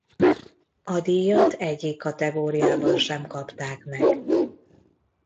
A díjat egyik kategóriában sem kapták meg.